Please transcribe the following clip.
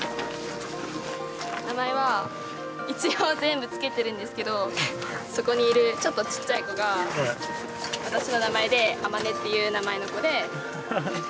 名前は一応全部付けてるんですけどそこにいるちょっとちっちゃい子が私の名前で「あまね」っていう名前の子で。